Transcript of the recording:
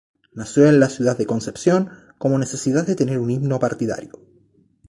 Nació en la ciudad de Concepción como necesidad de tener un himno partidario.